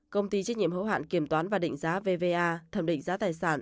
công ty trách nhiệm hữu hạn kiểm toán và định giá vva thẩm định giá tài sản